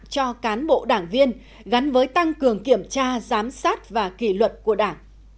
cho cán bộ đảng viên gắn với tăng cường kiểm tra giám sát và kỷ luật của đảng